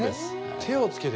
手をつけて。